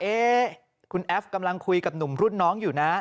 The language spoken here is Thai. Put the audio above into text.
เอ๊ะคุณแอฟกำลังคุยกับหนุ่มรุ่นน้องอยู่นะ